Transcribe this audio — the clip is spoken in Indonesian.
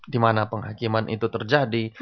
di mana penghakiman itu terjadi